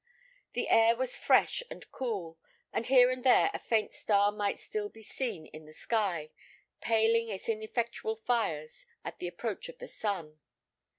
The air was fresh and cool, and here and there a faint star might still be seen in the sky, "paling its ineffectual fires" at the approach of the sun.